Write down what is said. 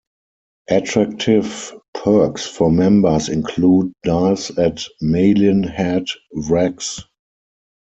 Attractive perks for members include dives at Malin Head Wrecks.